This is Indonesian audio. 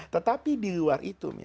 tetapi di luar itu